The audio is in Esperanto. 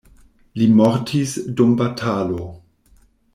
Li mortis dum batalo.